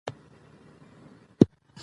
دا يوه ژمنه ده چې بايد تازه شي.